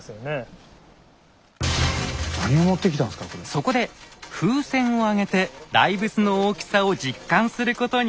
そこで風船を上げて大仏の大きさを実感することに。